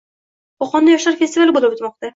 Qo‘qonda yoshlar festivali bo‘lib o‘tmoqda